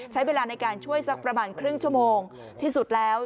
ใช้เวลาในการช่วยสักประมาณครึ่งชั่วโมงที่สุดแล้ว